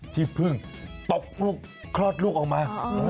ที่เพิ่งตกลูกคลอดลูกออกมา